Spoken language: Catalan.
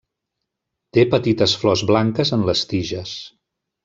Té petites flors blanques en les tiges.